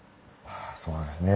そうですね。